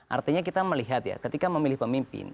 artinya kita melihat ya ketika memilih pemimpin